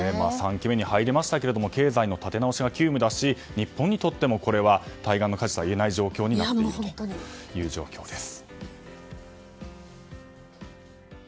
３期目に入りましたが経済の立て直しは急務だし日本にとってもこれは対岸の火事とは言えない状況です。